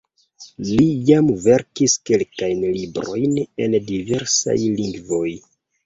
Li jam verkis kelkajn librojn en diversaj lingvoj.